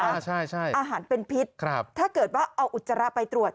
อ่าใช่ใช่อาหารเป็นพิษครับถ้าเกิดว่าเอาอุจจาระไปตรวจ